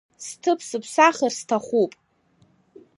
Сҭыԥ сыԥсахыр сҭахуп…